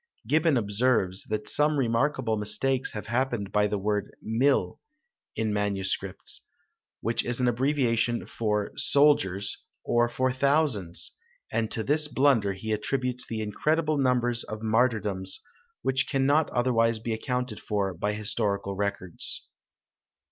Gibbon observes, that some remarkable mistakes have happened by the word mil. in MSS., which is an abbreviation for soldiers, or for thousands; and to this blunder he attributes the incredible numbers of martyrdoms, which cannot otherwise be accounted for by historical records.